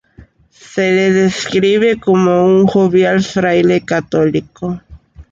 Se le describe como un jovial fraile católico.